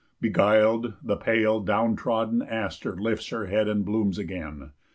Beguiled, the pale down trodden aster lifts Her head and blooms again.